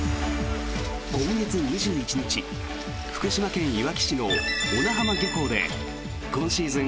今月２１日福島県いわき市の小名浜漁港で今シーズン